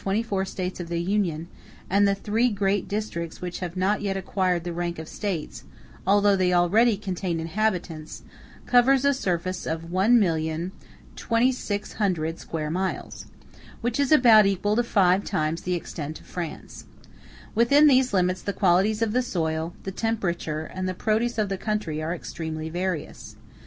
The territory now occupied by the twenty four States of the Union, and the three great districts which have not yet acquired the rank of States, although they already contain inhabitants, covers a surface of 1,002,600 square miles, *c which is about equal to five times the extent of France. Within these limits the qualities of the soil, the temperature, and the produce of the country, are extremely various.